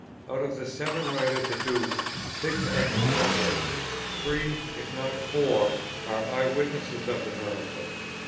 "Out of the seven writers adduced, six are contemporaries; three, if not four, are eye witnesses of the miracle.